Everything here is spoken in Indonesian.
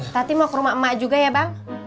tati mau ke rumah emak juga ya bang